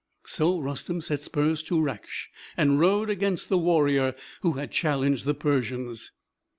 So Rustem set spurs to Raksh, and rode against the warrior who had challenged the Persians.